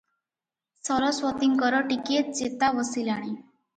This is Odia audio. ସରସ୍ୱତୀଙ୍କର ଟିକିଏ ଚେତା ବସିଲାଣି ।